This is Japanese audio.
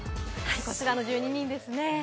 こちらの１２人ですね。